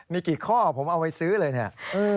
มีกี่ข้อผมเอาไว้ซื้อเลยเนี่ย